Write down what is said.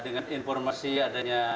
dengan informasi adanya